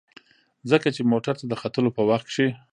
ځکه چې موټر ته د ختلو په وخت کې.